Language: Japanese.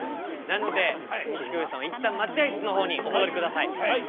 なので錦鯉さんは一旦待合室の方にお戻りください。